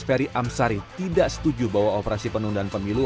ferry amsari tidak setuju bahwa operasi penundaan pemilu